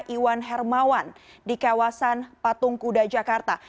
iwan hermawan di kawasan patung kuda jakarta